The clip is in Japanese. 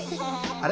あれ？